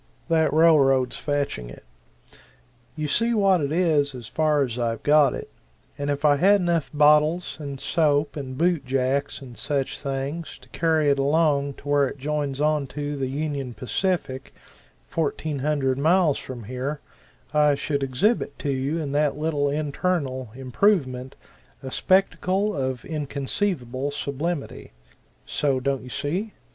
That railroad's fetching it. You see what it is as far as I've got, and if I had enough bottles and soap and boot jacks and such things to carry it along to where it joins onto the Union Pacific, fourteen hundred miles from here, I should exhibit to you in that little internal improvement a spectacle of inconceivable sublimity. So, don't you see?